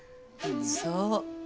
そう。